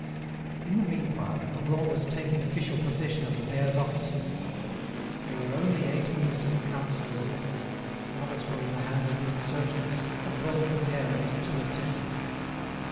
In the meanwhile, Rougon was taking official possession of the mayor's offices. There were only eight municipal councillors left; the others were in the hands of the insurgents, as well as the mayor and his two assessors.